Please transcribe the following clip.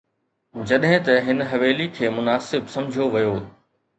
جڏهن ته هن حويلي کي مناسب سمجهيو ويو.